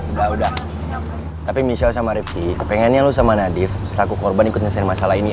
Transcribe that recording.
udah udah tapi michelle sama rifty pengennya lo sama nadif selaku korban ikut nyeselin masalah ini ya